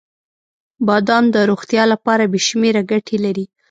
• بادام د روغتیا لپاره بې شمیره ګټې لري.